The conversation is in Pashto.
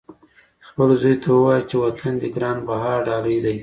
خپل زوی ته ووایه چې وطن دې ګران بها ډالۍ دی.